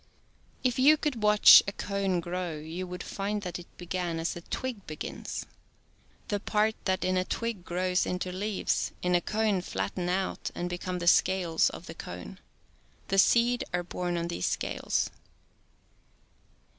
If you could watch a cone grow you would find that it began as a twig be gins. The parts that in a twig grow into leaves, in a cone flatten out and be shedih^cnified). come the scales of the cone. The seed are borne on these scales.